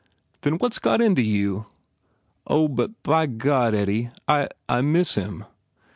Then what s got into you?" "Oh, but my God, Eddie !... I miss him."